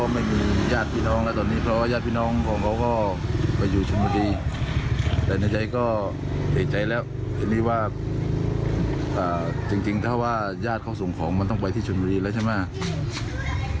มันต้องไปที่ชุมรีแล้วใช่ไหม